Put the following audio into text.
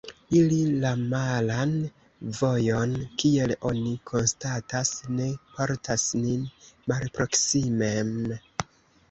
Iri la malan vojon, kiel oni konstatas, ne portas nin malproksimen.